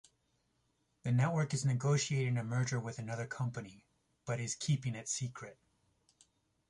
The network is negotiating a merger with another company, but is keeping it secret.